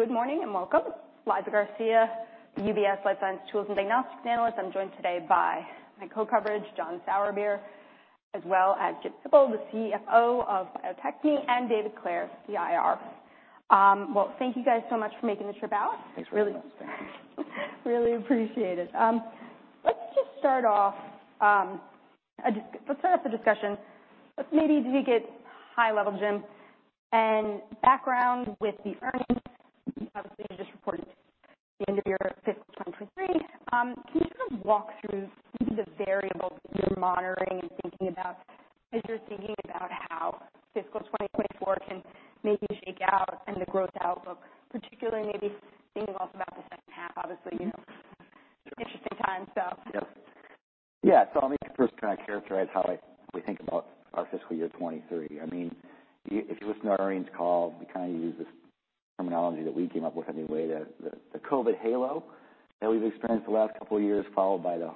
All right. Well, good morning and welcome. Elizabeth Garcia, UBS Life Science Tools and Diagnostics Analyst. I'm joined today by my co-coverage, John Sourbeer, as well as Jim Hippel, the CFO of Bio-Techne, and David Clair, the IR. Well, thank you guys so much for making the trip out. Thanks for having us. Really appreciate it. Let's just start off, let's set up the discussion. Let's maybe get high level, Jim, and background with the earnings. Obviously, you just reported the end of your fiscal 2023. Can you kind of walk through the variables that you're monitoring and thinking about as you're thinking about how fiscal 2024 can maybe shake out and the growth outlook, particularly maybe thinking also about the second half, obviously, you know? Sure. interesting times, so. Yep. Yeah. I'll maybe first try to characterize how we think about our fiscal year 2023. I mean, if you listen to our earnings call, we kind of use this terminology that we came up with, having the way the, the COVID halo that we've experienced the last couple of years, followed by the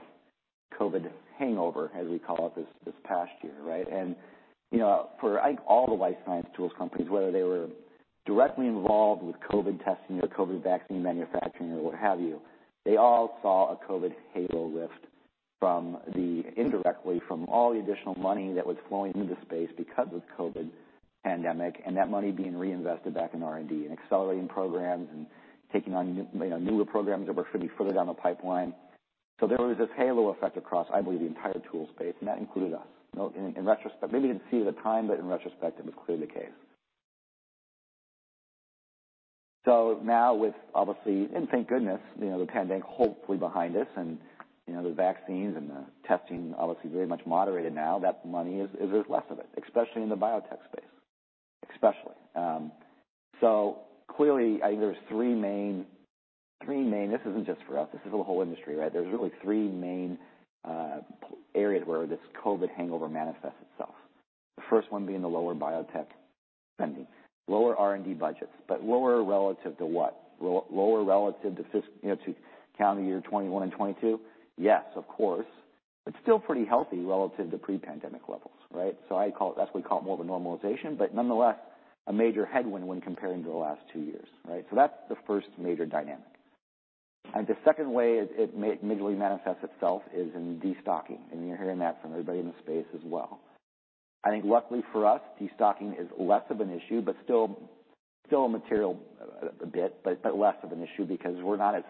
COVID hangover, as we call it, this, this past year, right? You know, for I think all the life science tools companies, whether they were directly involved with COVID testing or COVID vaccine manufacturing or what have you, they all saw a COVID halo lift from indirectly from all the additional money that was flowing into the space because of the COVID pandemic, and that money being reinvested back in R&D and accelerating programs and taking on new, you know, newer programs that were further down the pipeline. There was this COVID halo effect across, I believe, the entire tool space, and that included us. You know, in, in retrospect, maybe you didn't see it at the time, but in retrospect, it was clearly the case. Now with obviously, and thank goodness, you know, the pandemic hopefully behind us and, you know, the vaccines and the testing obviously very much moderated now, that money is, there's less of it, especially in the biotech space, especially. Clearly, I think there's three main. This isn't just for us, this is the whole industry, right? There's really three main areas where this COVID hangover manifests itself. The first one being the lower biotech spending, lower R&D budgets, but lower relative to what? Lower relative to you know, to calendar year 2021 and 2022? Yes, of course, but still pretty healthy relative to pre-pandemic levels, right? I call it that's what we call more of a normalization, but nonetheless, a major headwind when comparing to the last two years, right? That's the first major dynamic. The second way it may mainly manifests itself is in destocking, and you're hearing that from everybody in the space as well. I think luckily for us, destocking is less of an issue, but still a material bit, but less of an issue because we're not as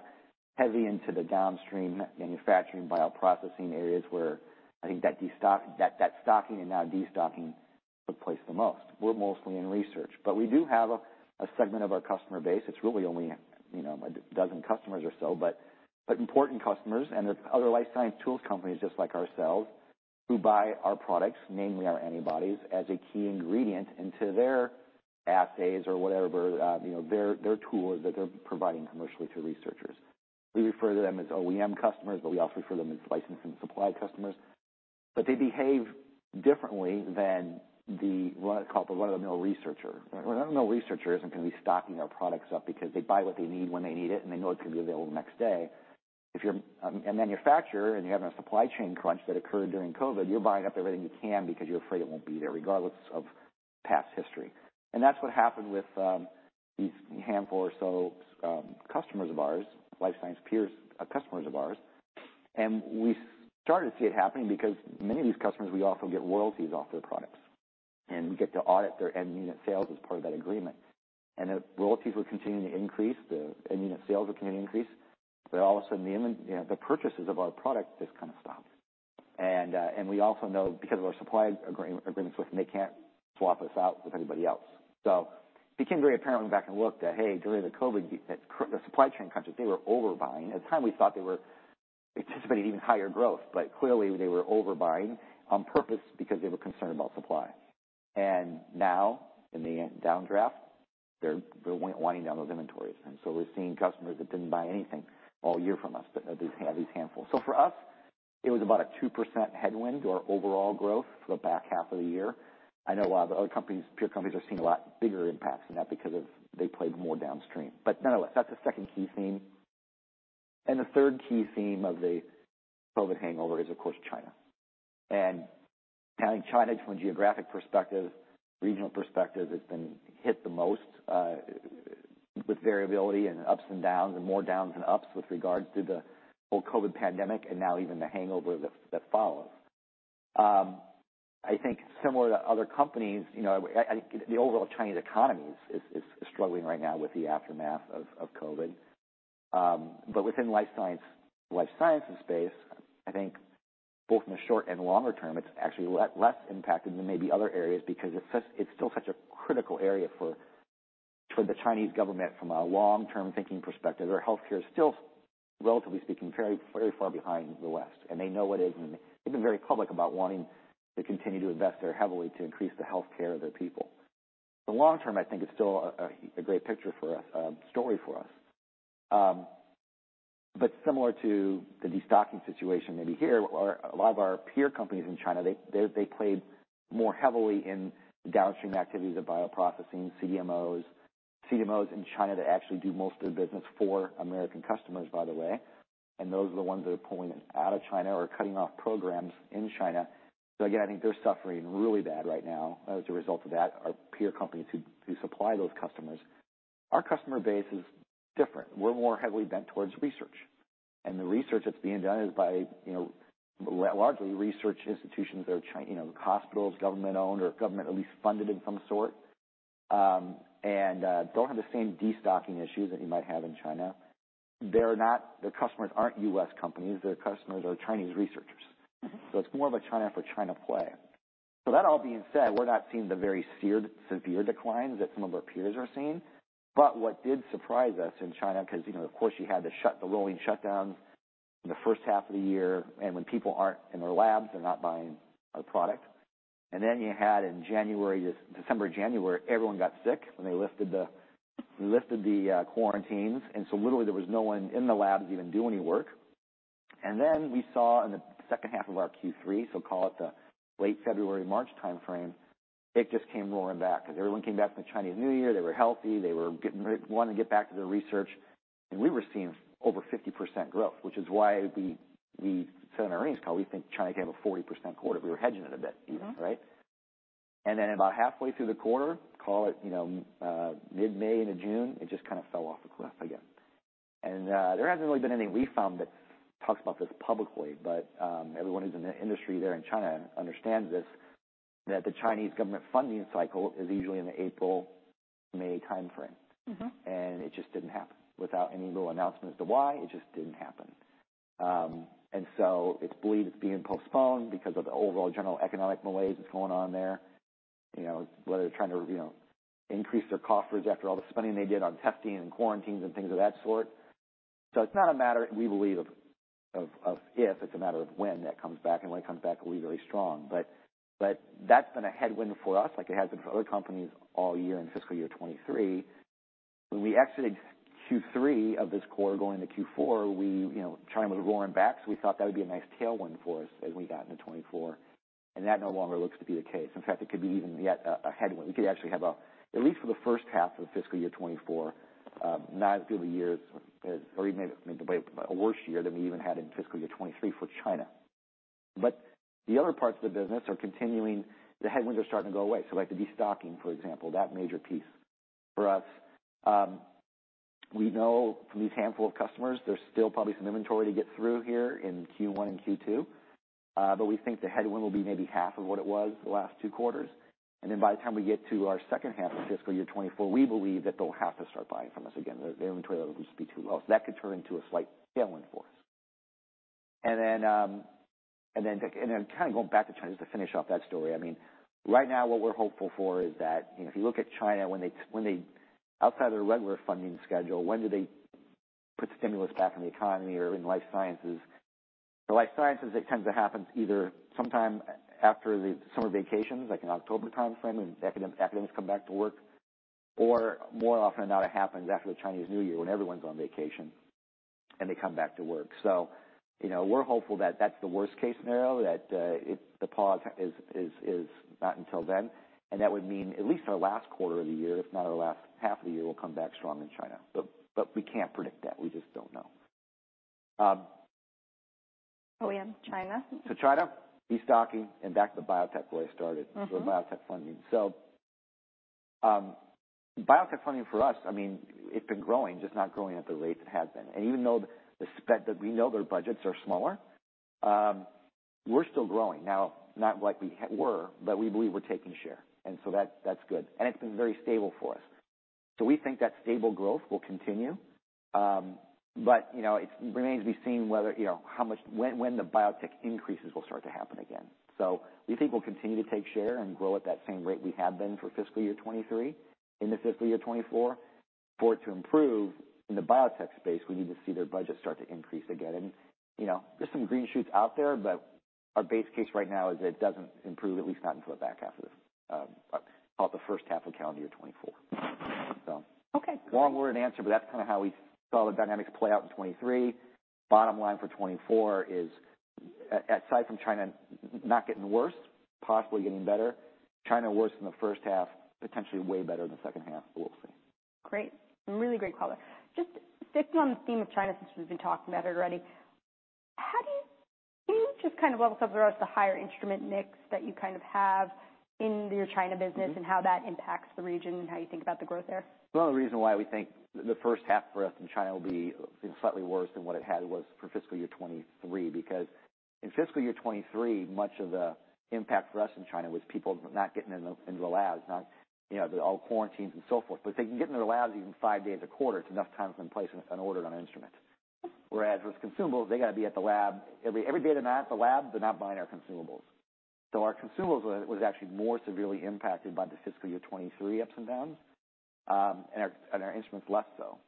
heavy into the downstream manufacturing, bioprocessing areas where I think that stocking and now destocking took place the most. We're mostly in research, but we do have a segment of our customer base. It's really only, you know, a dozen customers or so, but, but important customers and the other life science tools companies just like ourselves, who buy our products, namely our antibodies, as a key ingredient into their assays or whatever, you know, their tool that they're providing commercially to researchers. We refer to them as OEM customers, but we also refer to them as licensing supply customers. They behave differently than the one, call it the run-of-the-mill researcher. A run-of-the-mill researcher isn't going to be stocking their products up because they buy what they need when they need it, and they know it's going to be available the next day. If you're a manufacturer and you're having a supply chain crunch that occurred during COVID, you're buying up everything you can because you're afraid it won't be there, regardless of past history. That's what happened with these handful or so customers of ours, life science peers, customers of ours. We started to see it happening because many of these customers, we also get royalties off their products, and we get to audit their end-unit sales as part of that agreement. The royalties were continuing to increase, the end-unit sales were continuing to increase, but all of a sudden, you know, the purchases of our product just kind of stopped. We also know because of our supply agreements with them, they can't swap us out with anybody else. It became very apparent when we went back and looked that, hey, during the COVID, the supply chain crisis, they were overbuying. At the time, we thought they were anticipating even higher growth, but clearly they were overbuying on purpose because they were concerned about supply. Now in the downdraft, they're winding down those inventories. We're seeing customers that didn't buy anything all year from us, but at least had these handful. For us, it was about a 2% headwind to our overall growth for the back half of the year. I know a lot of the other companies, peer companies, are seeing a lot bigger impact than that because of they played more downstream. Nonetheless, that's the second key theme. The third key theme of the COVID hangover is, of course, China. I think China, from a geographic perspective, regional perspective, has been hit the most, with variability and ups and downs, and more downs than ups with regard to the whole COVID pandemic and now even the COVID hangover that, that followed. I think similar to other companies, you know, I, I, the overall Chinese economy is, is, is struggling right now with the aftermath of, of COVID. But within the life science, life sciences space, I think both in the short and longer term, it's actually less impacted than maybe other areas because it's such, it's still such a critical area for the Chinese government from a long-term thinking perspective. Their healthcare is still, relatively speaking, very, very far behind the West, and they know it is, and they've been very public about wanting to continue to invest there heavily to increase the healthcare of their people. The long term, I think, is still a great picture and story for us. Similar to the destocking situation, maybe here, a lot of our peer companies in China, they, they played more heavily in the downstream activities of bioprocessing, CDMOs. CDMOs in China that actually do most of the business for American customers, by the way, and those are the ones that are pulling out of China or cutting off programs in China. Again, I think they're suffering really bad right now as a result of that, our peer companies who, who supply those customers. Our customer base is different. We're more heavily bent towards research, and the research that's being done is by, you know, largely research institutions that are you know, hospitals, government-owned or government at least funded in some sort. Don't have the same destocking issues that you might have in China. Their customers aren't U.S. companies; their customers are Chinese researchers. It's more of a China for China play. That all being said, we're not seeing the very seared, severe declines that some of our peers are seeing. What did surprise us in China, because, you know, of course, you had to shut the rolling shutdowns in the first half of the year, and when people aren't in their labs, they're not buying our product. You had in January, December, January, everyone got sick, and they lifted the quarantines, and so literally there was no one in the labs even doing any work. We saw in the second half of our Q3, so call it the late February, March timeframe, it just came roaring back because everyone came back from the Chinese New Year. They were healthy, they were getting ready, wanting to get back to their research, and we were seeing over 50% growth, which is why we said on our earnings call, we think China could have a 40% quarter. We were hedging it a bit even, right? About halfway through the quarter, call it, you know, mid-May into June, it just kind of fell off a cliff again. There hasn't really been any we've found that talks about this publicly, but everyone who's in the industry there in China understands this, that the Chinese government funding cycle is usually in the April, May timeframe. It just didn't happen. Without any real announcement as to why, it just didn't happen. So it's believed it's being postponed because of the overall general economic malaise that's going on there. You know, whether they're trying to, you know, increase their coffers after all the spending they did on testing and quarantines and things of that sort. It's not a matter, we believe, of yes. It's a matter of when that comes back, and when it comes back, it'll be really strong. That's been a headwind for us, like it has been for other companies all year in fiscal year 2023. When we exited Q3 of this quarter going into Q4, we, you know, China was roaring back, so we thought that would be a nice tailwind for us as we got into 2024, and that no longer looks to be the case. In fact, it could be even yet a headwind. We could actually have, at least for the first half of fiscal year 2024, not as good of a year, or even maybe a worse year than we even had in fiscal year 2023 for China. The other parts of the business are continuing. The headwinds are starting to go away. Like the destocking, for example, that major piece for us. We know from these handful of customers, there's still probably some inventory to get through here in Q1 and Q2, but we think the headwind will be maybe half of what it was the last two quarters. By the time we get to our second half of fiscal year 2024, we believe that they'll have to start buying from us again. Their, their inventory levels will just be too low. That could turn into a slight tailwind for us. Then, kind of going back to China, just to finish off that story. I mean, right now, what we're hopeful for is that, you know, if you look at China, when they outside of their regular funding schedule, when do they put stimulus back in the economy or in life sciences? For life sciences, it tends to happen either sometime after the summer vacations, like in October timeframe, when academics come back to work, or more often than not, it happens after the Chinese New Year when everyone's on vacation, and they come back to work. You know, we're hopeful that that's the worst-case scenario, that the pause is not until then. That would mean at least our last quarter of the year, if not our last half of the year, we'll come back strong in China. But we can't predict that. We just don't know. Oh, yeah, China. China, destocking, and back to the biotech where I started with biotech funding. Biotech funding for us, I mean, it's been growing, just not growing at the rate it has been. Even though we know their budgets are smaller, we're still growing. Now, not like we were, but we believe we're taking share, so that, that's good. It's been very stable for us. We think that stable growth will continue. You know, it remains to be seen whether, you know, how much, when, when the biotech increases will start to happen again. We think we'll continue to take share and grow at that same rate we have been for fiscal year 2023, in the fiscal year 2024. For it to improve in the biotech space, we need to see their budget start to increase again. You know, there's some green shoots out there, but our base case right now is it doesn't improve, at least not until the back half of this, call it the first half of calendar year 2024. Okay. Long-word answer, but that's kind of how we saw the dynamics play out in 2023. Bottom line for 2024 is, aside from China not getting worse, possibly getting better, China worse in the first half, potentially way better in the second half, but we'll see. Great. Really great color. Just sticking on the theme of China, since we've been talking about it already, can you just kind of level us up with the higher instrument mix that you kind of have in your China business? How that impacts the region and how you think about the growth there? Well, the reason why we think the first half for us in China will be slightly worse than what it had was for fiscal year 2023, because in fiscal year 2023, much of the impact for us in China was people not getting in the labs, not, you know, the all quarantines and so forth. If they can get into the labs, even five days a quarter, it's enough time for them to place an order on instruments. Whereas with consumables, they got to be at the lab. Every day they're not at the lab, they're not buying our consumables. Our consumables was, was actually more severely impacted by the fiscal year 2023 ups and downs, and our instruments less so.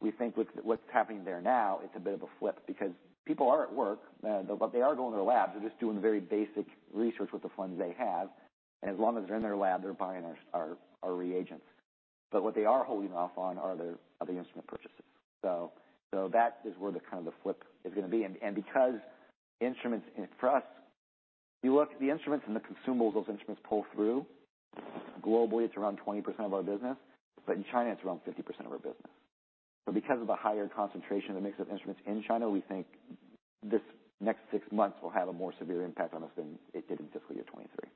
We think with what's happening there now, it's a bit of a flip, because people are at work, but they are going to the labs. They're just doing very basic research with the funds they have, and as long as they're in their lab, they're buying our reagents. What they are holding off on are the, are the instrument purchases. That is where the kind of the flip is going to be. Because instruments, for us, you look at the instruments and the consumables those instruments pull through, globally, it's around 20% of our business, but in China, it's around 50% of our business. Because of the higher concentration of the mix of instruments in China, we think this next six months will have a more severe impact on us than it did in fiscal year 2023.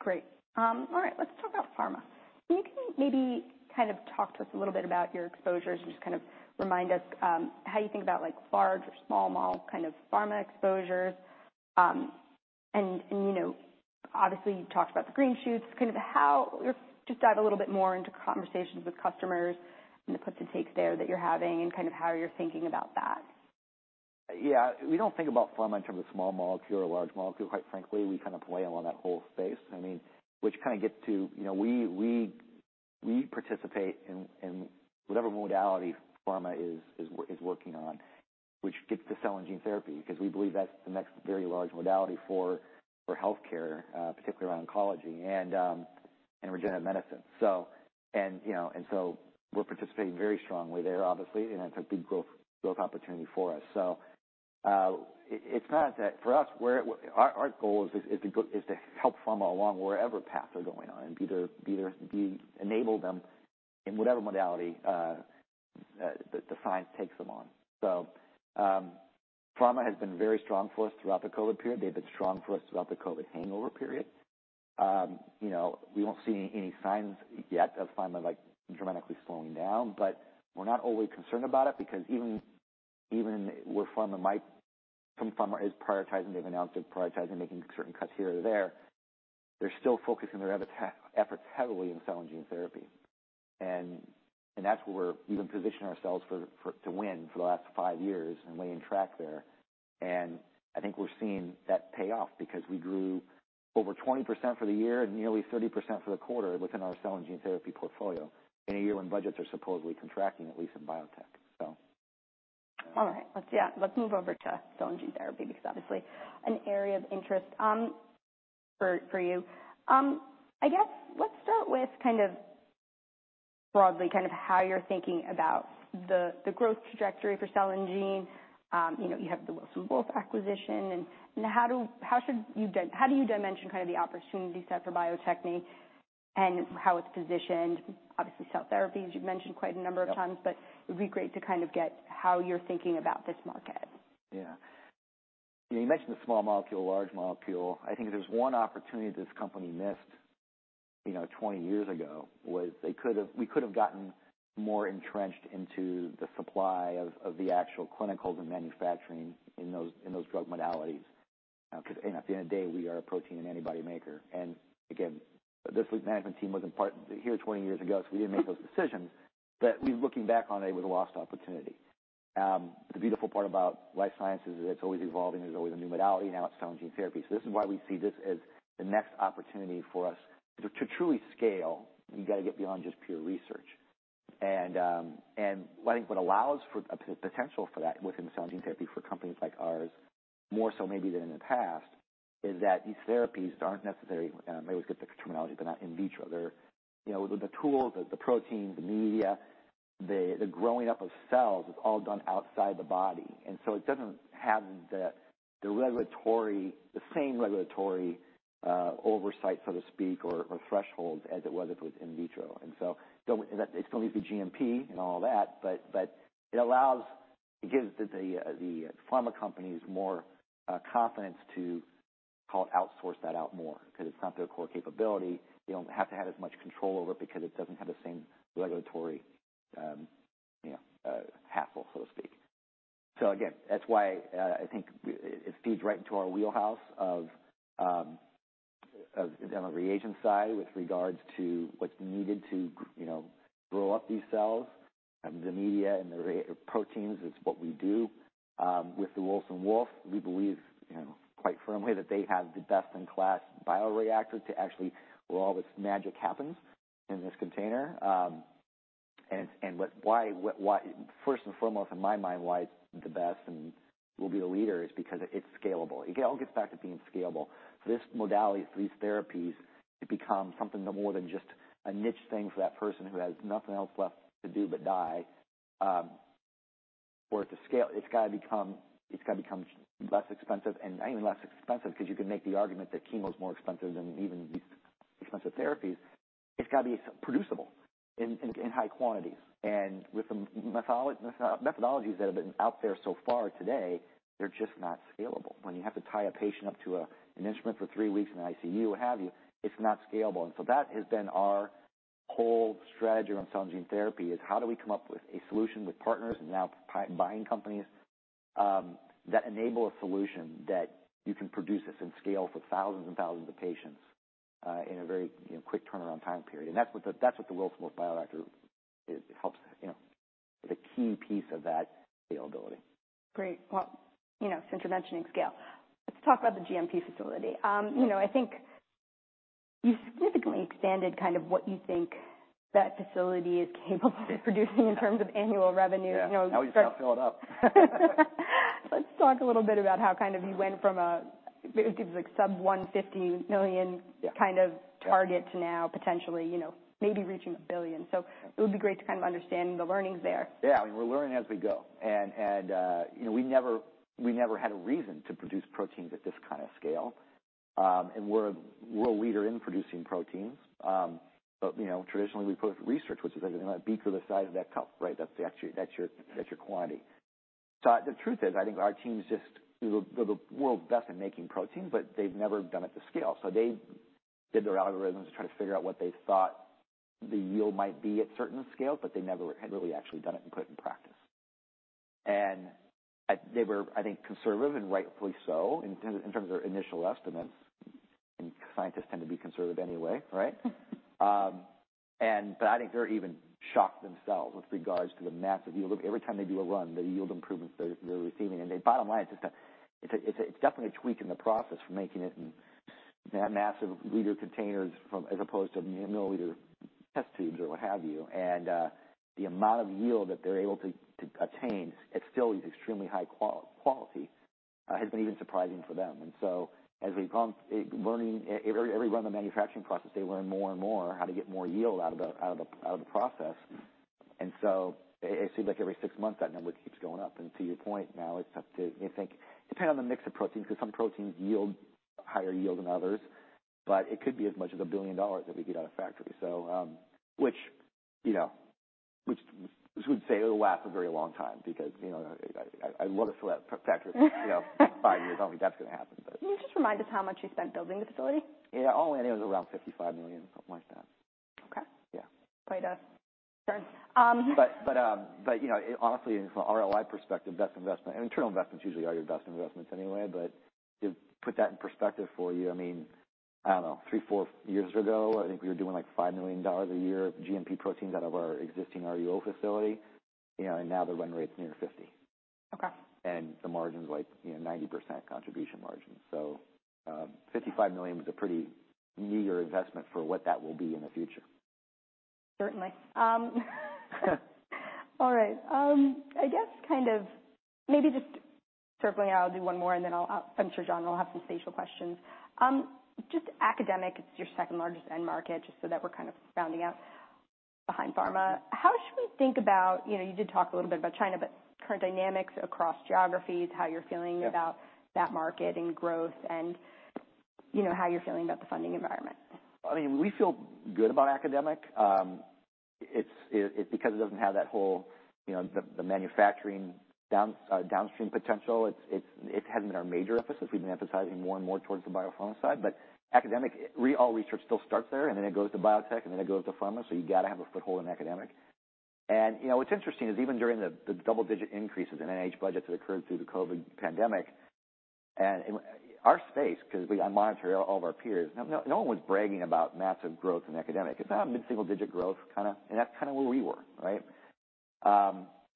Great. All right, let's talk about pharma. Can you maybe kind of talk to us a little bit about your exposures, and just kind of remind us, how you think about, like, large or small mole kind of pharma exposures? You know, obviously, you've talked about the green shoots. Kind of, Just dive a little bit more into conversations with customers, and the puts and takes there that you're having, and kind of how you're thinking about that. Yeah. We don't think about pharma in terms of small molecule or large molecule. Quite frankly, we kind of play along that whole space. I mean, which kind of gets to, you know, we participate in whatever modality pharma is, is working on, which gets to cell and gene therapy, because we believe that's the next very large modality for healthcare, particularly around oncology and regenerative medicine. And, you know, and so we're participating very strongly there, obviously, and it's a big growth, growth opportunity for us. It's not that. For us, where our goal is to help pharma along wherever path they're going on, and be there to enable them in whatever modality that the science takes them on. Pharma has been very strong for us throughout the COVID period. They've been strong for us throughout the COVID hangover period. You know, we won't see any signs yet of pharma, like, dramatically slowing down, but we're not overly concerned about it, because even, even where pharma might, Some pharma is prioritizing, they've announced they're prioritizing making certain cuts here or there, they're still focusing their efforts heavily in cell and gene therapy. That's where we've been positioning ourselves to win for the last five years and laying track there. I think we're seeing that pay off, because we grew over 20% for the year and nearly 30% for the quarter within our cell and gene therapy portfolio, in a year when budgets are supposedly contracting, at least in biotech. All right. Let's, yeah, let's move over to cell and gene therapy, because obviously an area of interest, for you. I guess, let's start with kind of broadly, kind of how you're thinking about the growth trajectory for cell and gene. You know, you have the Wilson Wolf acquisition, and how do you dimension kind of the opportunity set for Bio-Techne, and how it's positioned? Obviously, cell therapies, you've mentioned quite a number of times, it'd be great to kind of get how you're thinking about this market. Yeah. You mentioned the small molecule, large molecule. I think if there's one opportunity this company missed, you know, 20 years ago, was we could have gotten more entrenched into the supply of the actual clinicals and manufacturing in those, in those drug modalities. Because, you know, at the end of the day, we are a protein and antibody maker. Again, this management team wasn't here 20 years ago, so we didn't make those decisions, but we're looking back on it with a lost opportunity. The beautiful part about life sciences is it's always evolving. There's always a new modality. Now it's cell and gene therapy. This is why we see this as the next opportunity for us. To truly scale, you got to get beyond just pure research. I think what allows for a potential for that within cell and gene therapy for companies like ours, more so maybe than in the past, is that these therapies aren't necessarily, maybe it's good the terminology, they're not in vitro. They're, you know, the tools, the proteins, the media, the growing up of cells, is all done outside the body, and so it doesn't have the same regulatory oversight, so to speak, or thresholds as it was with in vitro. It still needs the GMP and all that, but it allows, it gives the pharma companies more confidence to call, outsource that out more, because it's not their core capability. They don't have to have as much control over it, because it doesn't have the same regulatory, you know, hassle, so to speak. Again, that's why, I think it feeds right into our wheelhouse on the reagent side, with regards to what's needed to, you know, grow up these cells, and the media and the proteins. It's what we do. With the Wilson Wolf, we believe, you know, quite firmly that they have the best-in-class bioreactor to actually, where all this magic happens in this container. First and foremost, in my mind, why it's the best and will be the leader, is because it's scalable. It all gets back to being scalable. This modality for these therapies, to become something more than just a niche thing for that person who has nothing else left to do but die, for it to scale, it's got to become, it's got to become less expensive. Even less expensive, because you can make the argument that chemo is more expensive than even these expensive therapies. It's got to be producible in high quantities. With the methodologies that have been out there so far today, they're just not scalable. When you have to tie a patient up to an instrument for three weeks in an ICU, what have you, it's not scalable. So that has been our whole strategy around cell and gene therapy, is how do we come up with a solution with partners and now buy- buying companies, that enable a solution that you can produce this in scale for thousands and thousands of patients, in a very, you know, quick turnaround time period? That's what the Wilson Wolf bioreactor helps, you know, the key piece of that scalability. Great. Well, you know, since you're mentioning scale, let's talk about the GMP facility. You know, I think you've significantly expanded kind of what you think that facility is capable of producing in terms of annual revenue. Yeah. Now we just got to fill it up. Let's talk a little bit about how kind of you went from, it was like sub $150 million kind of target to now potentially, you know, maybe reaching $1 billion. It would be great to kind of understand the learnings there. Yeah, we're learning as we go. We never, we never had a reason to produce proteins at this kind of scale. We're a world leader in producing proteins. You know, traditionally, we put research, which is like a beaker the size of that cup, right? That's actually, that's your quantity. The truth is, I think our team's just the world's best in making proteins, but they've never done it the scale. They did their algorithms to try to figure out what they thought the yield might be at certain scale, but they never had really actually done it and put it in practice. They were, I think, conservative, and rightfully so, in terms of their initial estimates, and scientists tend to be conservative anyway, right? I think they're even shocked themselves with regards to the massive yield. Every time they do a run, the yield improvements they're receiving. The bottom line, it's definitely a tweak in the process for making it in that massive liter containers from, as opposed to milliliter test tubes or what have you. The amount of yield that they're able to attain, it still is extremely high quality, has been even surprising for them. As we learning every run of the manufacturing process, they learn more and more how to get more yield out of the process. It seems like every six months, that number keeps going up. To your point, now, it's up to, I think, depending on the mix of proteins, because some proteins yield, higher yield than others, but it could be as much as $1 billion that we get out of factory, which, you know, I would say it'll last a very long time because, you know, I want to fill that factory, you know, five years. I don't think that's going to happen. Can you just remind us how much you spent building the facility? Yeah, all in, it was around $55 million, something like that. Okay. Yeah. Sure. You know, honestly, from an ROI perspective, that investment, internal investments usually are your best investments anyway, but to put that in perspective for you, I mean, I don't know, three, four years ago, I think we were doing, like, $5 million a year of GMP proteins out of our existing RUO facility, you know, and now the run rate is near 50. Okay. The margin's like, you know, 90% contribution margin, so $55 million was a pretty meager investment for what that will be in the future. Certainly. All right. I guess kind of maybe just circling, I'll do one more, and then I'm sure John will have some spatial questions. Just academic, it's your second-largest end market, just so that we're kind of rounding out behind pharma. How should we think about, you know, you did talk a little bit about China, but current dynamics across geographies, how you're feeling about that market and growth and, you know, how you're feeling about the funding environment? I mean, we feel good about academic. because it doesn't have that whole, you know, the manufacturing downstream potential, it hasn't been our major emphasis. We've been emphasizing more and more towards the biopharma side, but academic, all research still starts there, then it goes to biotech, then it goes to pharma, so you got to have a foothold in academic. You know, what's interesting is even during the double-digit increases in NIH budgets that occurred through the COVID pandemic, and in our space, because we monitor all of our peers, no one was bragging about massive growth in academic. It's about a mid-single digit growth, kind of, and that's kind of where we were, right?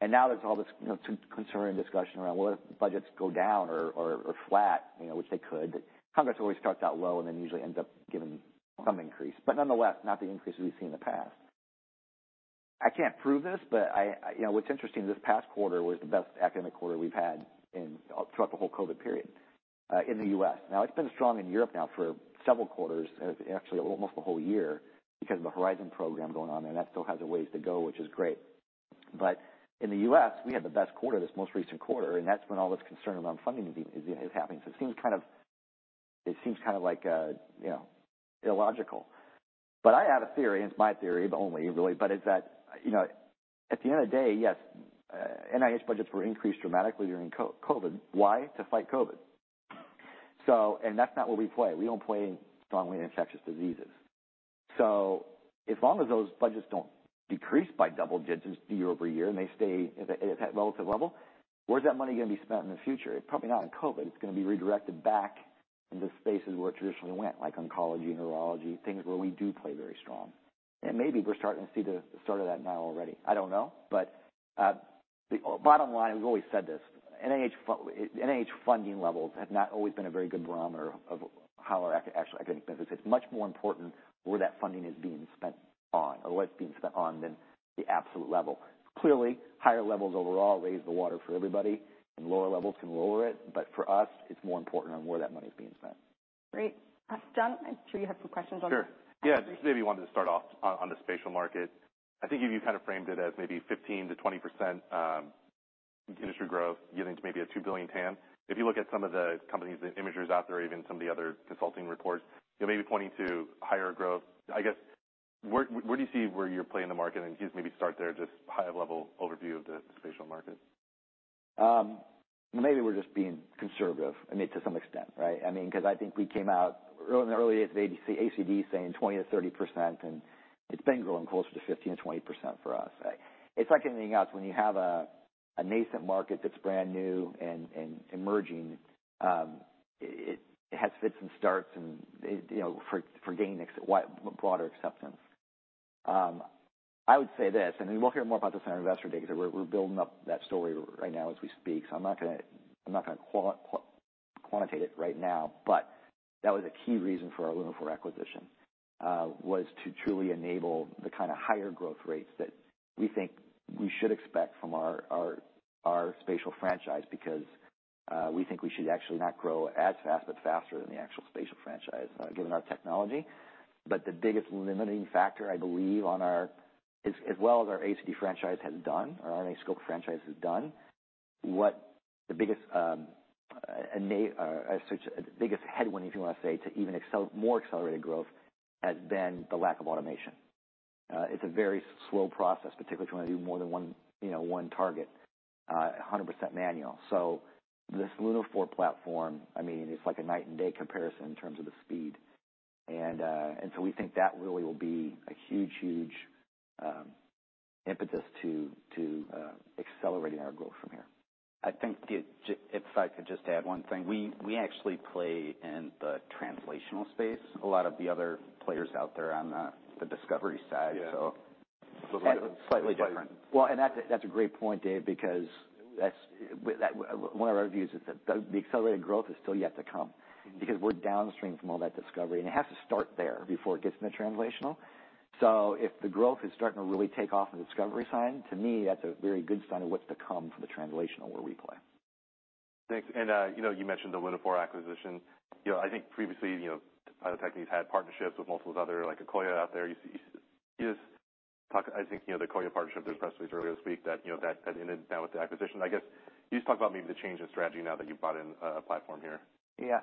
Now there's all this, you know, concern and discussion around what if budgets go down or flat, you know, which they could. Congress always starts out low and then usually ends up giving some increase, but nonetheless, not the increases we've seen in the past. I can't prove this, you know, what's interesting, this past quarter was the best academic quarter we've had in, throughout the whole COVID period, in the U.S. It's been strong in Europe now for several quarters, actually almost the whole year, because of the Horizon program going on there, and that still has a ways to go, which is great. In the U.S., we had the best quarter, this most recent quarter, and that's when all this concern around funding is, is happening. It seems kind of, like, you know, illogical. I have a theory, and it's my theory only, really, but it's that, you know, at the end of the day, yes, NIH budgets were increased dramatically during COVID. Why? To fight COVID. That's not where we play. We don't play strongly in infectious diseases. As long as those budgets don't decrease by double digits year-over-year, and they stay at, at that relative level, where's that money going to be spent in the future? It's probably not on COVID. It's going to be redirected back in the spaces where it traditionally went, like oncology, neurology, things where we do play very strong. Maybe we're starting to see the start of that now already. I don't know. The bottom line, we've always said this, NIH funding levels have not always been a very good barometer of how our actual academic business. It's much more important where that funding is being spent on, or what it's being spent on, than the absolute level. Clearly, higher levels overall raise the water for everybody, and lower levels can lower it, but for us, it's more important on where that money is being spent. Great. John, I'm sure you have some questions. Sure. Yeah, maybe wanted to start off on the spatial market. I think you kind of framed it as maybe 15%-20% industry growth, getting to maybe a $2 billion TAM. If you look at some of the companies, the imagers out there, even some of the other consulting reports, you may be pointing to higher growth. I guess, where, where do you see where you play in the market? Just maybe start there, just high-level overview of the spatial market. Maybe we're just being conservative, I mean, to some extent, right? I mean, because I think we came out early in the early days of ACD saying 20%-30%, and it's been growing closer to 15%-20% for us. It's like anything else. When you have a nascent market that's brand new and emerging, it has fits and starts and, you know, gaining wide, broader acceptance. I would say this, and we'll hear more about this on investor day because we're building up that story right now as we speak, so I'm not going to quantitate it right now, but that was a key reason for our Lunaphore acquisition, was to truly enable the kind of higher growth rates that we think we should expect from our spatial franchise. We think we should actually not grow as fast, but faster than the actual spatial franchise, given our technology. But the biggest limiting factor, I believe, as well as our ACD franchise has done, our RNAscope franchise has done, what the biggest, innate, as such, the biggest headwind, if you want to say, to even more accelerated growth, has been the lack of automation. It's a very slow process, particularly if you want to do more than, you know, one target, a 100% manual. This Lunaphore platform, I mean, it's like a night and day comparison in terms of the speed. We think that really will be a huge, huge impetus to, accelerating our growth from here. I think, if I could just add one thing, we, we actually play in the translational space. A lot of the other players out there are on the, the discovery side. Yeah. Slightly different. Well, that's a great point, Dave, because that, one of our views is that the accelerated growth is still yet to come. Because we're downstream from all that discovery, and it has to start there before it gets into the translational. If the growth is starting to really take off on the discovery side, to me, that's a very good sign of what's to come for the translational, where we play. Thanks. You know, you mentioned the Lunaphore acquisition. You know, I think previously, you know, Bio-Techne has had partnerships with multiple other, like Akoya out there. You, you just talked, I think, you know, the Akoya partnership, there was press release earlier this week, you know, that ended now with the acquisition. I guess, can you just talk about maybe the change in strategy now that you've brought in a platform here? Yeah.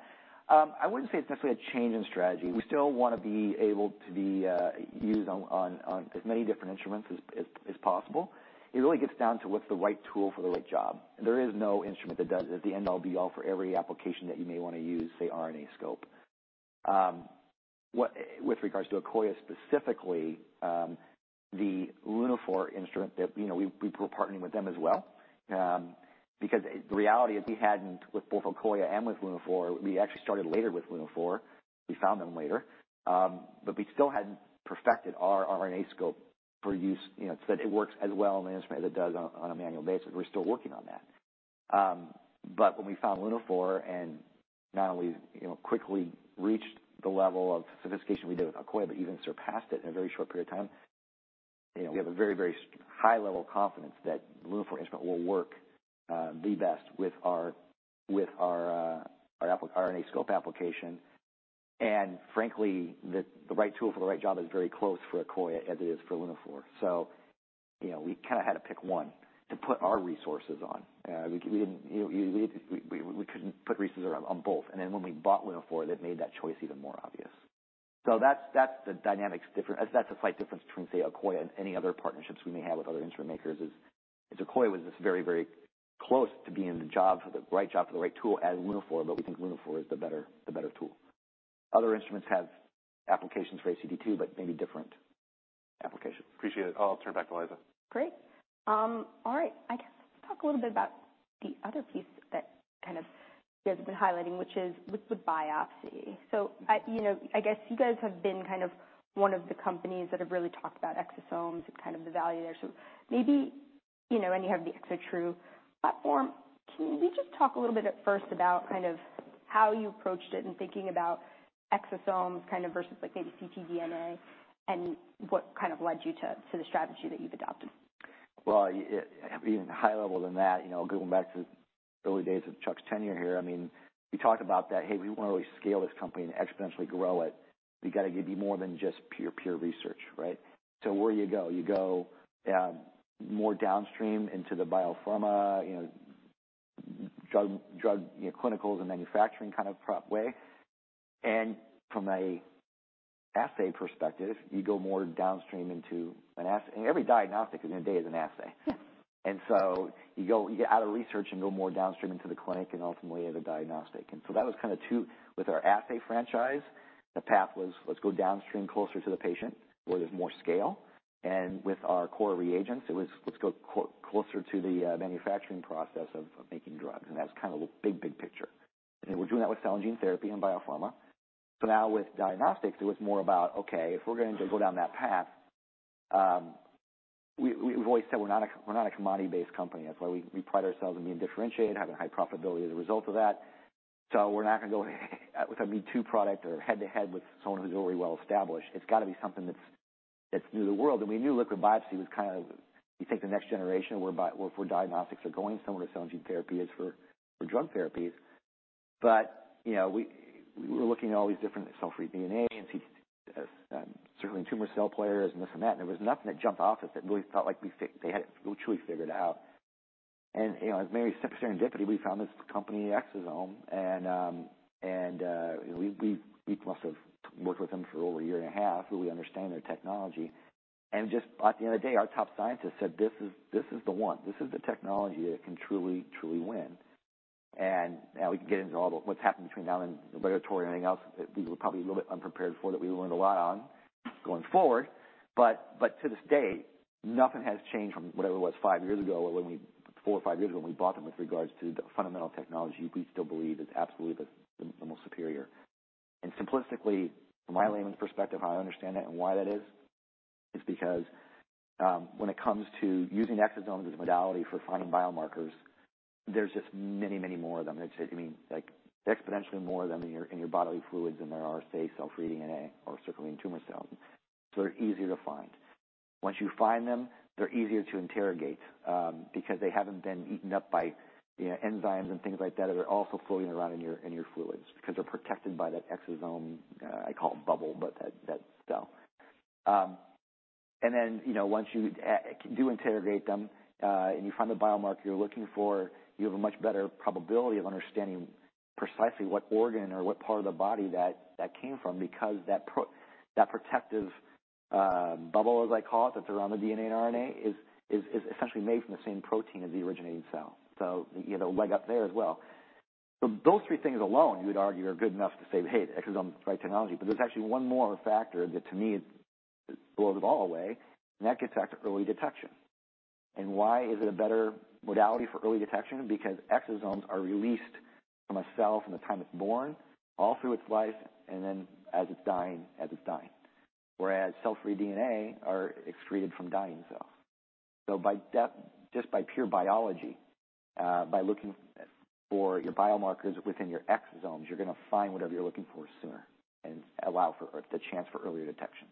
I wouldn't say it's necessarily a change in strategy. We still want to be able to be used on as many different instruments as, as, as possible. It really gets down to what's the right tool for the right job. There is no instrument that does, is the end all, be all for every application that you may want to use, say, RNAscope. What, with regards to Akoya specifically, the Lunaphore instrument that, you know, we, we're partnering with them as well. The reality is we hadn't with both Akoya and with Lunaphore, we actually started later with Lunaphore. We found them later. We still hadn't perfected our RNAscope for use, you know, so that it works as well on the instrument as it does on, on a manual basis. We're still working on that. When we found Lunaphore, and not only, you know, quickly reached the level of sophistication we did with Akoya, but even surpassed it in a very short period of time, you know, we have a very, very high level confidence that Lunaphore instrument will work the best with our RNAscope application. Frankly, the right tool for the right job is very close for Akoya as it is for Lunaphore. You know, we kind of had to pick one to put our resources on. We didn't, you know, we couldn't put resources around on both. Then when we bought Lunaphore, that made that choice even more obvious. That's the dynamics. That's a slight difference between, say, Akoya and any other partnerships we may have with other instrument makers, is Akoya was just very, very close to being the job, the right job for the right tool as Lunaphore, but we think Lunaphore is the better tool. Other instruments have applications for ACD, too, but maybe different applications. Appreciate it. I'll turn it back to Eliza. Great. All right, I guess let's talk a little bit about the other piece that kind of you guys have been highlighting, which is with the biopsy. I, you know, I guess you guys have been kind of one of the companies that have really talked about exosomes and kind of the value there. Maybe, you know, and you have the ExoTRU platform. Can you just talk a little bit at first about kind of how you approached it in thinking about exosomes kind of versus like maybe ctDNA, and what kind of led you to, to the strategy that you've adopted? Well, even high level than that, you know, going back to the early days of Chuck's tenure here, I mean, we talked about that, hey, we want to really scale this company and exponentially grow it. We got to be more than just pure, pure research, right? Where do you go? You go, more downstream into the biopharma, you know, drug, you know, clinicals and manufacturing kind of prop way. From a assay perspective, you go more downstream into an assay. Every diagnostic in a day is an assay. So you go, you get out of research and go more downstream into the clinic, and ultimately you have a diagnostic. So that was kind of two. With our assay franchise, the path was, let's go downstream closer to the patient, where there's more scale. With our core reagents, it was, let's go closer to the manufacturing process of making drugs. That's kind of the big, big picture. We're doing that with cell and gene therapy and biopharma. Now with diagnostics, it was more about, okay, if we're going to go down that path, we've always said we're not a commodity-based company. That's why we pride ourselves on being differentiated, having high profitability as a result of that. We're not going to go with a me-too product or head-to-head with someone who's already well established. It's got to be something that's new to the world. We knew liquid biopsy was kind of, you take the next generation where diagnostics are going, similar to cell and gene therapy is for drug therapies. You know, we were looking at all these different cell-free DNA and circulating tumor cell players, and this and that, and there was nothing that jumped off us, that really felt like we they had it truly figured out. You know, as maybe simple serendipity, we found this company, Exosome, and, we must have worked with them for over a year and a half, really understand their technology. Just at the end of the day, our top scientist said, this is the one. This is the technology that can truly, truly win. Now we can get into all what's happened between now and the regulatory and anything else, that we were probably a little bit unprepared for, that we learned a lot on going forward. But to this day, nothing has changed from whatever it was five years ago, or four or five years ago, when we bought them, with regards to the fundamental technology we still believe is absolutely the most superior. Simplistically, from my layman's perspective, how I understand that and why that is, is because when it comes to using exosomes as a modality for finding biomarkers, there's just many, many more of them. I'd say, I mean, like, exponentially more of them in your in your bodily fluids than there are, say, cell-free DNA or circulating tumor cells. They're easier to find. Once you find them, they're easier to interrogate, because they haven't been eaten up by, you know, enzymes and things like that, that are also floating around in your fluids, because they're protected by that exosome, I call it bubble, but that cell. You know, once you do interrogate them, and you find the biomarker you're looking for, you have a much better probability of understanding precisely what organ or what part of the body that, that came from, because that protective bubble, as I call it, that's around the DNA and RNA, is, is, is essentially made from the same protein as the originating cell. You get a leg up there as well. Those three things alone, you would argue, are good enough to say, hey, the exosome is the right technology. There's actually one more factor that to me, it blows it all away, and that gets back to early detection. Why is it a better modality for early detection? Because exosomes are released from a cell from the time it's born, all through its life, and then as it's dying, as it's dying. Whereas cell-free DNA are excreted from dying cells. By just by pure biology, by looking for your biomarkers within your exosomes, you're going to find whatever you're looking for sooner and allow for the chance for earlier detection.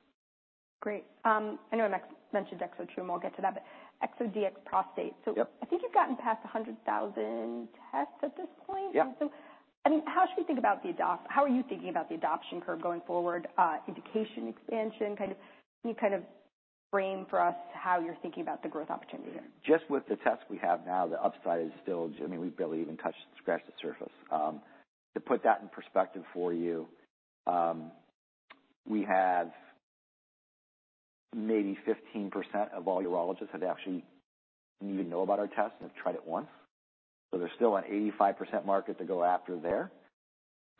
Great. I know I next mentioned ExoTRU, and we'll get to that, but ExoDx Prostate. Yep. I think you've gotten past 100,000 tests at this point? Yeah. How are you thinking about the adoption curve going forward, indication, expansion, kind of, can you kind of frame for us how you're thinking about the growth opportunity here? Just with the test we have now, the upside is still, I mean, we've barely even touched, scratched the surface. To put that in perspective for you, we have maybe 15% of all urologists that actually even know about our test and have tried it once. There's still an 85% market to go after there.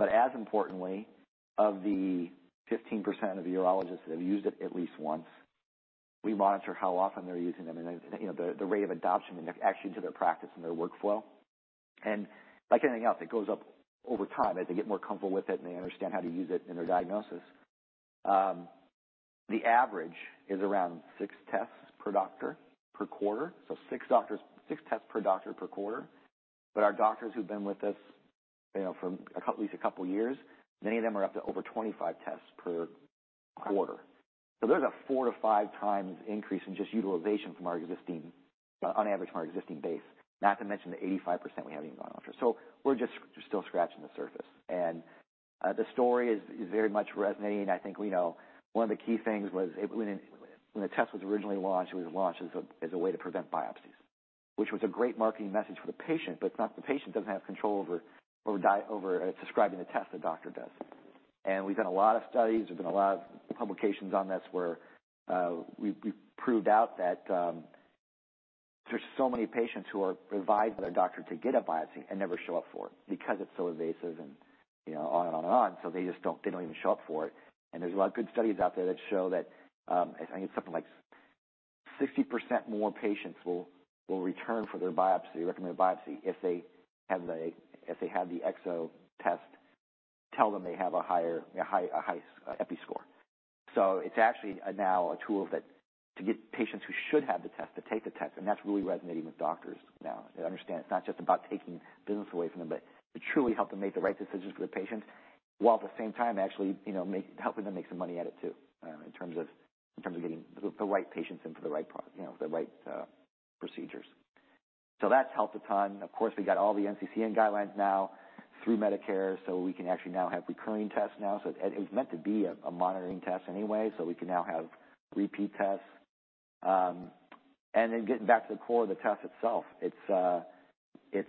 As importantly, of the 15% of the urologists that have used it at least once, we monitor how often they're using them, and then, you know, the rate of adoption, and they're actually into their practice and their workflow. Like anything else, it goes up over time as they get more comfortable with it, and they understand how to use it in their diagnosis. The average is around six tests per doctor per quarter, so six tests per doctor per quarter. Our doctors who've been with us, you know, for a couple, at least a couple years, many of them are up to over 25 tests per quarter. There's a 4x to 5x increase in just utilization from our existing, on average, from our existing base, not to mention the 85% we haven't even gone after. We're just, just still scratching the surface. The story is very much resonating. I think we know one of the key things was it when, when the test was originally launched, it was launched as a way to prevent biopsies, which was a great marketing message for the patient, but it's not. The patient doesn't have control over prescribing the test, the doctor does. We've done a lot of studies, there's been a lot of publications on this, where we've proved out that there's so many patients who are advised by their doctor to get a biopsy and never show up for it because it's so invasive and, you know, on and on and on. They just don't, they don't even show up for it. There's a lot of good studies out there that show that I think it's something like 60% more patients will return for their biopsy, recommended biopsy, if they have the Exo test, tell them they have a higher, a high EPI score. It's actually now a tool that to get patients who should have the test to take the test, and that's really resonating with doctors now. They understand it's not just about taking business away from them, but to truly help them make the right decisions for the patients, while at the same time actually, you know, helping them make some money at it, too, in terms of getting the right patients in for, you know, the right procedures. That's helped a ton. Of course, we got all the NCCN guidelines now through Medicare, so we can actually now have recurring tests now. It, it's meant to be a monitoring test anyway, so we can now have repeat tests. Then getting back to the core of the test itself, it's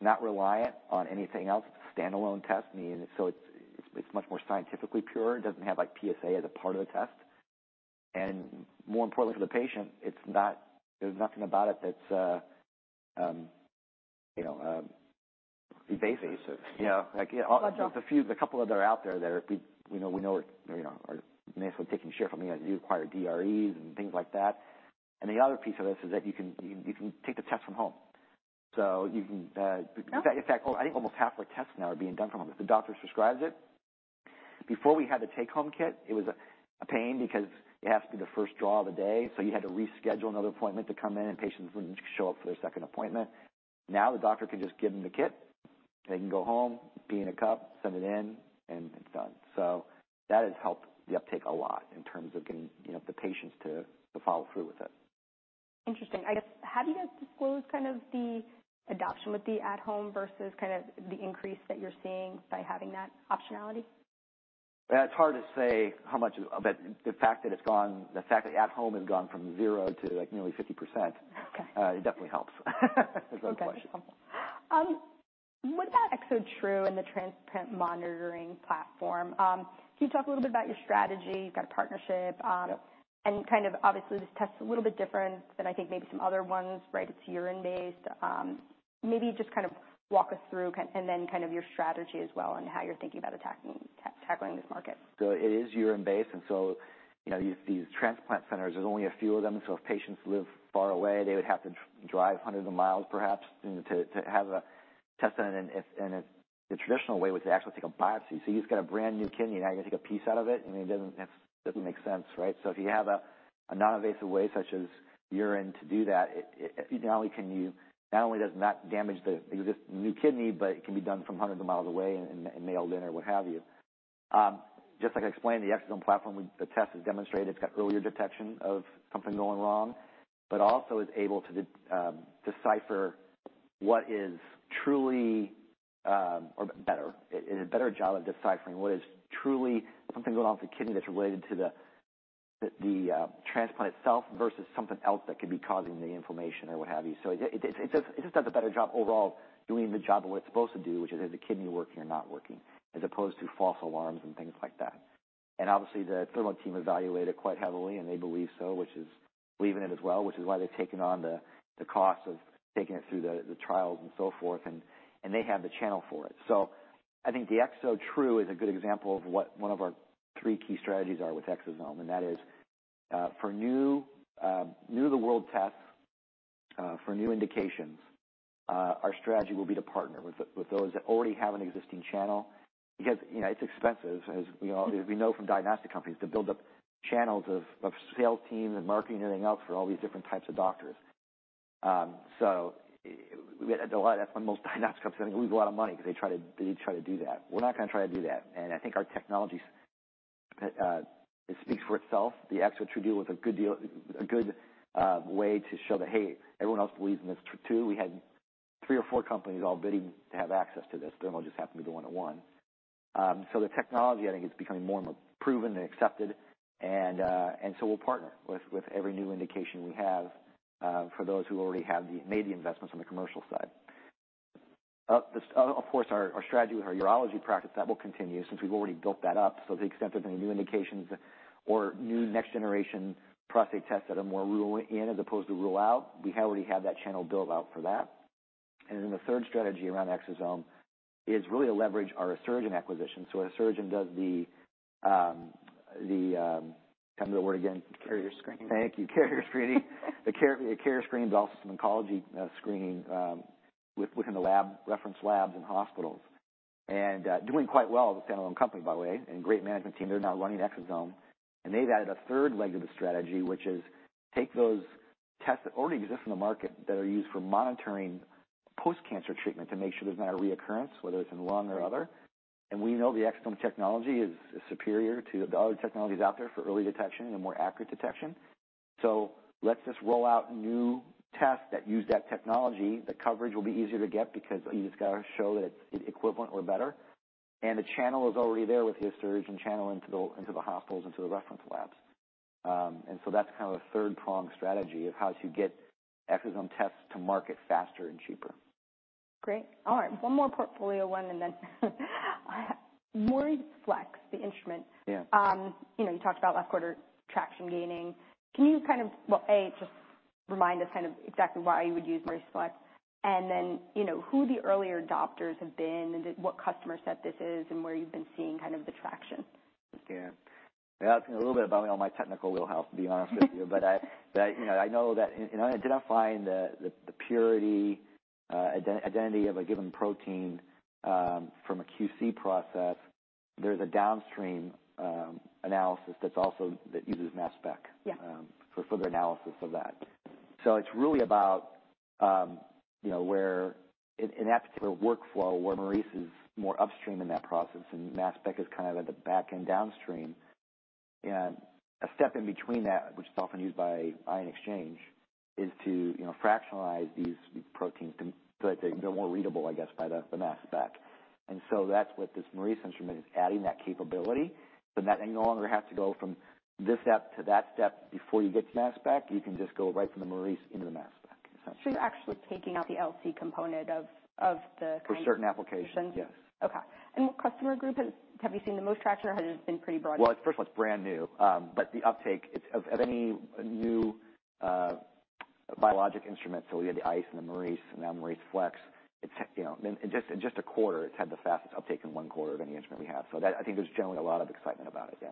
not reliant on anything else. It's a standalone test, meaning, so it's much more scientifically pure. It doesn't have, like, PSA as a part of the test. More importantly, for the patient, there's nothing about it that's, you know, invasive. Like, there's a few a couple of that are out there that we know are basically taking share from you. You require DREs and things like that. The other piece of this is that you can take the test from home. You can. Okay. In fact, I think almost half our tests now are being done from home. If the doctor prescribes it, before we had the take-home kit, it was a pain because it has to be the first draw of the day, so you had to reschedule another appointment to come in, and patients wouldn't show up for their second appointment. Now, the doctor can just give them the kit, they can go home, pee in a cup, send it in, and it's done. That has helped the uptake a lot in terms of getting, you know, the patients to follow through with it. Interesting. I guess, how do you guys disclose kind of the adoption with the at-home versus kind of the increase that you're seeing by having that optionality? It's hard to say how much, but the fact that at-home has gone from zero to, like, nearly 50%. Okay. it definitely helps. There's no question. What about ExoTRU and the transplant monitoring platform? Can you talk a little bit about your strategy? You've got a partnership. Yep. And kind of obviously, this test is a little bit different than I think maybe some other ones, right? It's urine-based. Maybe just kind of walk us through and then kind of your strategy as well, and how you're thinking about attacking, tackling this market? It is urine-based, and so, you know, these transplant centers, there's only a few of them, and so if patients live far away, they would have to drive hundreds of miles, perhaps, to, to have a test done in a traditional way, which they actually take a biopsy. You just got a brand-new kidney, now you're going to take a piece out of it? I mean, it doesn't make sense, right? If you have a, a non-invasive way, such as urine, to do that, not only does it not damage the new kidney, but it can be done from hundreds of miles away and, and mailed in or what have you. Just like I explained, the exosome platform, the test has demonstrated it's got earlier detection of something going wrong, but also is able to decipher what is truly, or better, a better job of deciphering what is truly something going on with the kidney that's related to the transplant itself, versus something else that could be causing the inflammation or what have you. It just does a better job overall, doing the job of what it's supposed to do, which is the kidney working or not working, as opposed to false alarms and things like that. Obviously, the Thermo team evaluated quite heavily, and they believe so, which is believe in it as well, which is why they've taken on the cost of taking it through the trials and so forth, and they have the channel for it. I think the ExoTRU is a good example of what one of our three key strategies are with exosome, and that is for new-to-the-world tests for new indications, our strategy will be to partner with those that already have an existing channel. Because, you know, it's expensive, as we know from diagnostic companies, to build up channels of sales teams and marketing, everything else, for all these different types of doctors. That's when most diagnostic companies lose a lot of money, because they try to do that. We're not gonna try to do that, and I think our technology's, it speaks for itself. The ExoTRU deal was a good way to show that, hey, everyone else believes in this, too. We had three or four companies all bidding to have access to this. Thermo just happened to be the one that won. The technology, I think, is becoming more and more proven and accepted, and so we'll partner with every new indication we have for those who already have made the investments on the commercial side. Of course, our strategy with our urology practice, that will continue, since we've already built that up. To the extent there's any new indications or new next-generation prostate tests that are more rule in, as opposed to rule out, we already have that channel built out for that. Then the third strategy around exosome is really to leverage our Asuragen acquisition. Asuragen does the... what's the word again? Carrier screening. Thank you, carrier screening. The it carrier screens, also some oncology screening within the lab, reference labs and hospitals. Doing quite well as a standalone company, by the way, and great management team. They're now running exosome. They've added a third leg to the strategy, which is take those tests that already exist in the market that are used for monitoring post-cancer treatment, to make sure there's not a reoccurrence, whether it's in lung or other. We know the exosome technology is superior to the other technologies out there for early detection and more accurate detection. Let's just roll out new tests that use that technology. The coverage will be easier to get, because you just gotta show that it's equivalent or better, and the channel is already there with the Asuragen channel into the hospitals and to the reference labs. And so that's kind of a third-prong strategy of how to get exosome tests to market faster and cheaper. Great. All right, one more portfolio one, and then... MauriceFlex, the instrument. Yeah. You know, you talked about last quarter, traction gaining. Can you kind of, well, A, just remind us kind of exactly why you would use MauriceFlex, and then, you know, who the earlier adopters have been, and what customer set this is, and where you've been seeing kind of the traction? Yeah. Yeah, it's a little bit above all my technical wheelhouse, to be honest with you. I know that in identifying the purity, identity of a given protein from a QC process, there's a downstream analysis that's also that uses mass spec for further analysis of that. It's really about, you know, where in that particular workflow, where Maurice is more upstream in that process, and mass spec is kind of at the back end, downstream. A step in between that, which is often used by ion exchange, is to, you know, fractionalize these proteins, so that they're more readable, I guess, by the mass spec. That's what this Maurice instrument is, adding that capability, so that then you no longer have to go from this step to that step before you get to mass spec. You can just go right from the Maurice into the mass spec, essentially. You're actually taking out the LC component of the kind? For certain applications, yes. Okay. What customer group have you seen the most traction, or has it been pretty broad? Well, first of all, it's brand new. The uptake of any new biologic instrument, so we had the iCE and the Maurice, and now MauriceFlex, it's, you know. In just a quarter, it's had the fastest uptake in one quarter of any instrument we have. That, I think there's generally a lot of excitement about it, yeah.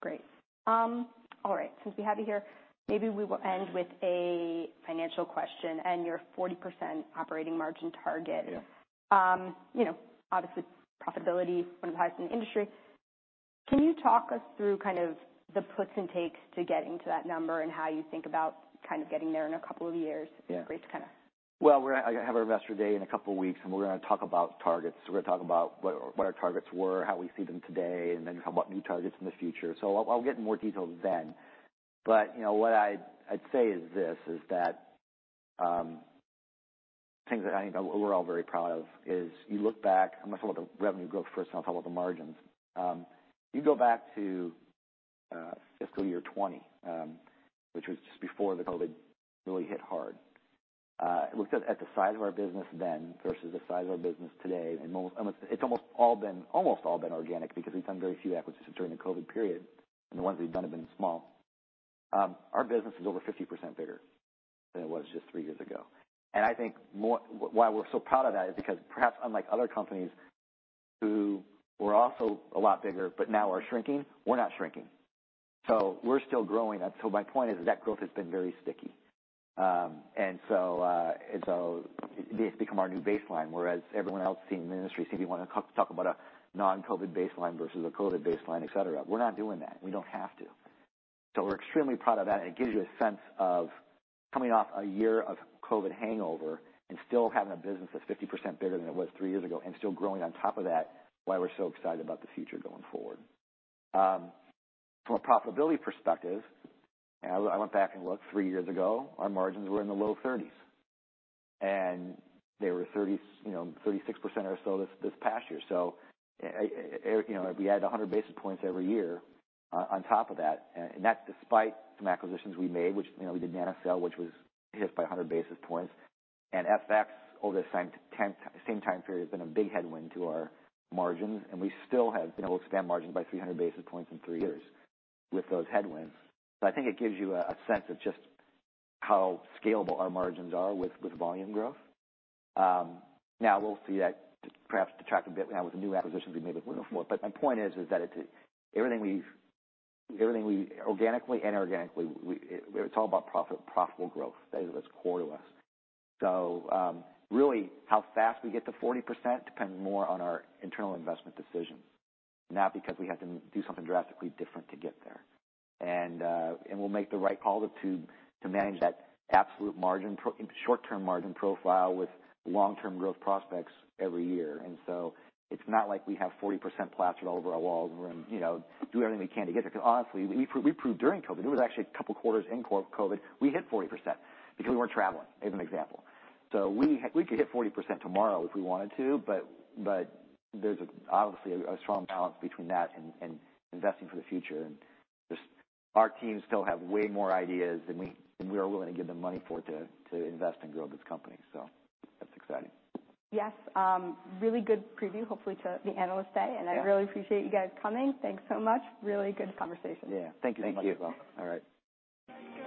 Great. All right, since we have you here, maybe we will end with a financial question and your 40% operating margin target. Yeah. You know, obviously, profitability, one of the highest in the industry. Can you talk us through kind of the puts and takes to getting to that number, and how you think about kind of getting there in a couple of years? Yeah. Great to kind of- Well, I have our investor day in a couple of weeks, and we're gonna talk about targets. We're gonna talk about what our targets were, how we see them today, and then talk about new targets in the future. I'll get in more details then. But, you know, honestly, from an ROI, I'd say is this. It's that things that I think we're all very proud of is, you look back. I'm gonna talk about the revenue growth first, and I'll talk about the margins. You go back to fiscal year 2020, which was just before the COVID really hit hard. Looked at, at the size of our business then versus the size of our business today, it's almost all been organic because we've done very few acquisitions during the COVID period, and the ones we've done have been small. Our business is over 50% bigger than it was just three years ago. I think why we're so proud of that is because, perhaps unlike other companies who were also a lot bigger, but now are shrinking, we're not shrinking. We're still growing. My point is that growth has been very sticky. This has become our new baseline, whereas everyone else seeing in the industry, see, we wanna talk about a non-COVID baseline versus a COVID baseline, et cetera. We're not doing that. We don't have to. We're extremely proud of that, and it gives you a sense of coming off a year of COVID hangover and still having a business that's 50% bigger than it was three years ago and still growing on top of that, why we're so excited about the future going forward. From a profitability perspective, and I went back and looked, three years ago, our margins were in the low 30s, and they were 36% or so this, this past year. You know, we add 100 basis points every year on top of that, and, and that's despite some acquisitions we made, which, you know, we did NanoString, which was hit by 100 basis points. FX, over the same time period, has been a big headwind to our margins, and we still have been able to expand margins by 300 basis points in three years with those headwinds. I think it gives you a sense of just how scalable our margins are with volume growth. Now we'll see that perhaps detract a bit now with the new acquisitions we made with Lunaphore. My point is that everything we've, everything we organically and inorganically, it's all about profit, profitable growth. That is what's core to us. Really, how fast we get to 40% depends more on our internal investment decisions, not because we have to do something drastically different to get there. We'll make the right call to manage that absolute short-term margin profile with long-term growth prospects every year. It's not like we have 40% plastered all over our walls, and we're, you know, doing everything we can to get there, because honestly, we proved, we proved during COVID, it was actually two quarters in COVID, we hit 40% because we weren't traveling, as an example. We, we could hit 40% tomorrow if we wanted to, but there's obviously a strong balance between that and investing for the future. Our teams still have way more ideas than we, than we are willing to give them money for, to invest and grow this company. That's exciting. Yes. really good preview, hopefully, to the analyst day. Yeah. I really appreciate you guys coming. Thanks so much. Really good conversation. Yeah. Thank you so much. Thank you. You're welcome. All right.